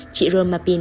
chị roma pin